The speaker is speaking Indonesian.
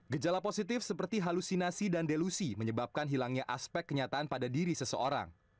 gejala positif seperti halusinasi dan delusi menyebabkan hilangnya aspek kenyataan pada diri seseorang